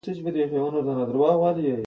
خدای په یوه بهترین زوی بختور کړی و.